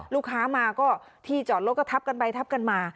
ลูกค้ามาก็ที่จอดรถก็ทับกันไปทับกันมา